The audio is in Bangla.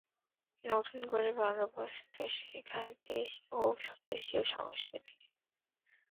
নতুন করে ভালোবাসতে শেখায় দেশ ও দেশীয় সংস্কৃতিকে।